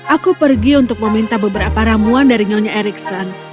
aku pergi untuk meminta beberapa ramuan dari nyonya ericson